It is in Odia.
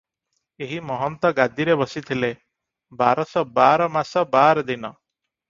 ଏହି ମହନ୍ତ ଗାଦିରେ ବସିଥିଲେ - ବାରଶ ବାର ମାସ ବାର ଦିନ ।